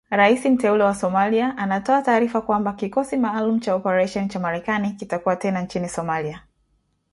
Rais mteule wa Somalia anatoa taarifa kwamba kikosi maalum cha operesheni cha Marekani kitakuwa tena nchini Somalia